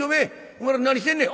お前ら何してんねん」。